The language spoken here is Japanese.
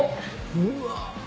うわ！